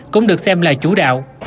cũng được xem là chủ đạo